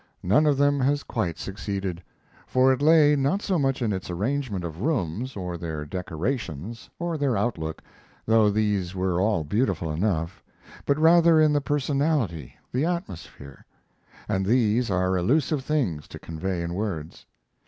None of them has quite succeeded, for it lay not so much in its arrangement of rooms or their decorations or their outlook, though these were all beautiful enough, but rather in the personality, the atmosphere; and these are elusive things to convey in words.